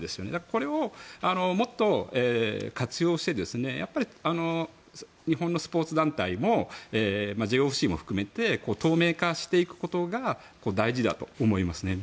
これをもっと活用して日本のスポーツ団体もＪＯＣも含めて透明化していくことが大事だと思います。